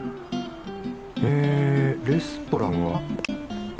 えレストランは？